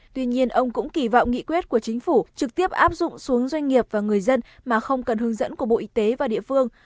tuy nhiên ông cũng kỳ vọng nghị quyết của chính phủ trực tiếp áp dụng xuống doanh nghiệp và người dân mà không cần hướng dẫn của bộ y tế và địa phương